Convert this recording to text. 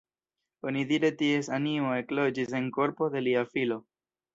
Onidire ties animo ekloĝis en korpo de lia filo.